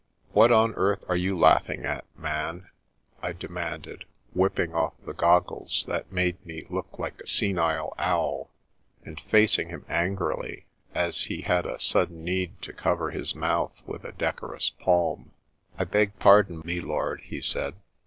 " What on earth are you laughing at, man ?" I demanded, whipping off the goggles that made me look like a senile owl, and facing him angrily, as he had a sudden need to cover his mouth with a de corous palm. " I beg pardon, me lord," he said.